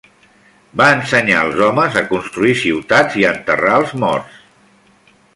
Va ensenyar als homes a construir ciutats i a enterrar els morts.